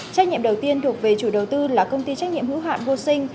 trách nhiệm đầu tiên thuộc về chủ đầu tư là công ty trách nhiệm hữu hạn vô sinh